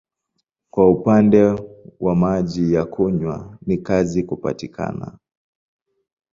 Kwa upande wa maji ya kunywa ni kazi kupatikana.